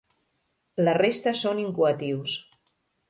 La resta són incoatius.